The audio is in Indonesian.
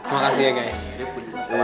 makasih ya guys